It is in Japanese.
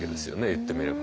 いってみれば。